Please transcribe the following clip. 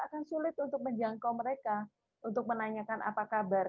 akan sulit untuk menjangkau mereka untuk menanyakan apa kabar